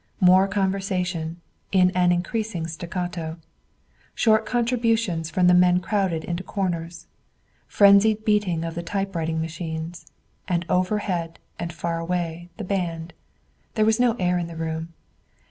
More conversation, in an increasing staccato. Short contributions from the men crowded into corners. Frenzied beating of the typewriting machines, and overhead and far away the band. There was no air in the room.